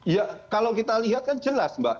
ya kalau kita lihat kan jelas mbak